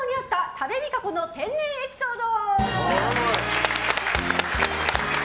多部未華子の天然エピソード。